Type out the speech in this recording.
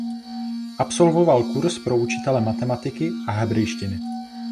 Absolvoval kurz pro učitele matematiky a hebrejštiny.